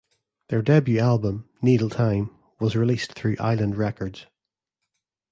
Their debut album "Needle Time" was released through Island Records.